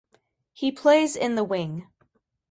He plays in the wing.